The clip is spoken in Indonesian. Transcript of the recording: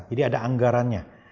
jadi ada anggarannya